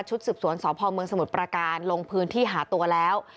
สืบสวนสพเมืองสมุทรประการลงพื้นที่หาตัวแล้ว